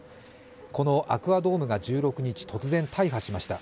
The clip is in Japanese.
このアクア・ドームが１６日、突然、大破しました。